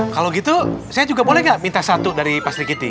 kalau gitu saya juga boleh nggak minta satu dari pak sri kiti